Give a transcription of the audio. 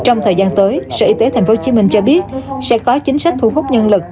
trong thời gian tới sở y tế tp hcm cho biết sẽ có chính sách thu hút nhân lực